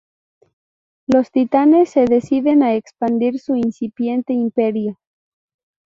Los Titanes se deciden a expandir su incipiente imperio.